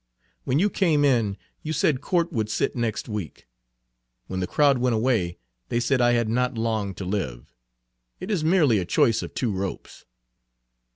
When you came in, you said Court would sit next week. When the crowd went away they said I had not long to live. It is merely a choice of two ropes."